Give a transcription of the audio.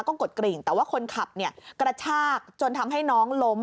ก็กดกริ่งแต่ว่าคนขับเนี่ยกระชากจนทำให้น้องล้ม